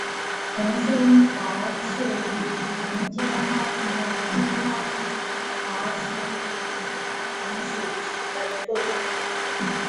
红胸薄翅萤金花虫为金花虫科薄翅萤金花虫属下的一个种。